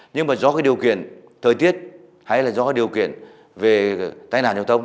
nhưng mà do cái điều kiện thời tiết hay là do cái điều kiện về tái nạn châu tông